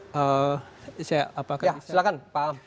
ya silakan pak am